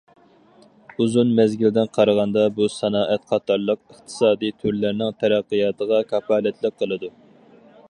ئۇزۇن مەزگىلدىن قارىغاندا بۇ سانائەت قاتارلىق ئىقتىسادىي تۈرلەرنىڭ تەرەققىياتىغا كاپالەتلىك قىلىدۇ.